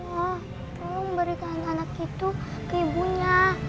tolong berikan anak itu ke ibunya